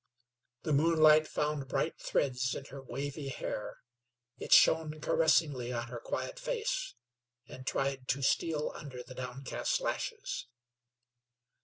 The moonlight found bright threads in her wavy hair; it shone caressingly on her quiet face, and tried to steal under the downcast lashes.